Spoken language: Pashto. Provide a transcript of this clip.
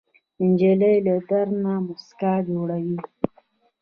نجلۍ له درد نه موسکا جوړوي.